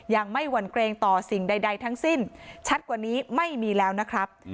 หวั่นเกรงต่อสิ่งใดทั้งสิ้นชัดกว่านี้ไม่มีแล้วนะครับ